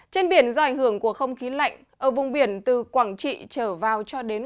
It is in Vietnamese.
trên biển do ảnh hưởng của không khí lạnh ở vùng biển từ quảng trị trở vào cho đến